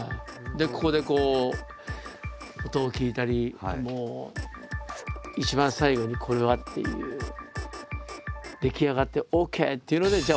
ここでこう音を聴いたり一番最後にこれはっていう出来上がってＯＫっていうのでじゃあ